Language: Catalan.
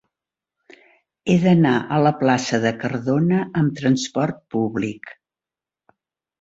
He d'anar a la plaça de Cardona amb trasport públic.